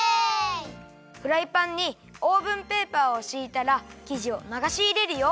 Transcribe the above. フライパンにオーブンペーパーをしいたらきじをながしいれるよ。